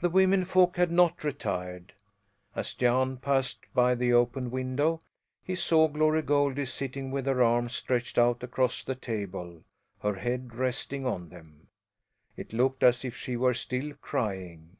The womenfolk had not retired. As Jan passed by the open window he saw Glory Goldie sitting with her arms stretched out across the table, her head resting on them. It looked as if she were still crying.